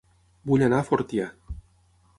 Vull anar a Fortià